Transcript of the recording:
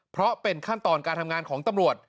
เพราะเป็นขั้นตอนการทำงานของตำรวจ